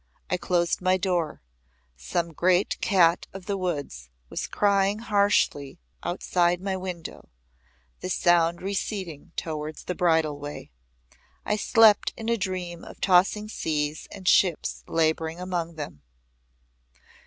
I closed my door. Some great cat of the woods was crying harshly outside my window, the sound receding towards the bridle way. I slept in a dream of tossing seas and ships labouring among them.